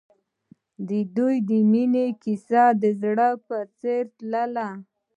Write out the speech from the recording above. د دوی د مینې کیسه د زړه په څېر تلله.